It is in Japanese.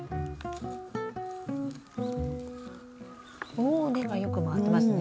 お根がよく回ってますね。